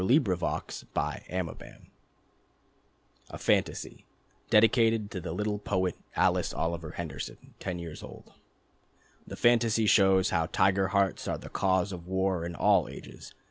The Tale of the Tiger Tree A Fantasy, dedicated to the little poet Alice Oliver Henderson, ten years old. The Fantasy shows how tiger hearts are the cause of war in all ages.